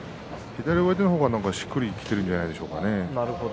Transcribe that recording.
左上手の方がしっかり生きてるんじゃないでしょうかね。